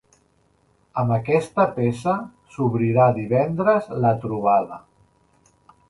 Amb aquesta peça s’obrirà divendres la trobada.